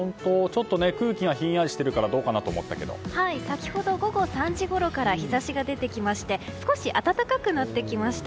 ちょっと空気がひんやりしてるから先ほど午後３時ごろから日差しが出てきまして少し暖かくなってきました。